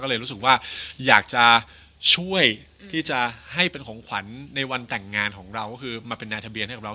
ก็เลยรู้สึกว่าอยากจะช่วยที่จะให้เป็นของขวัญในวันแต่งงานของเราก็คือมาเป็นนายทะเบียนให้กับเรา